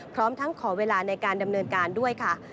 พร้อมทั้งขอเวลาในการดำเนินการด้วยค่ะ